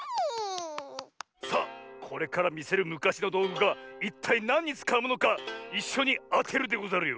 さあこれからみせるむかしのどうぐがいったいなんにつかうものかいっしょにあてるでござるよ。